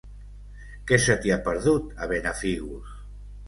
Què se t'hi ha perdut, a Benafigos?